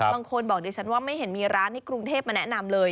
บางคนบอกดิฉันว่าไม่เห็นมีร้านให้กรุงเทพมาแนะนำเลย